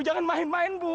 jangan main main bu